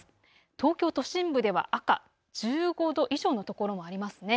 東京都心部では赤、１５度以上の所もありますね。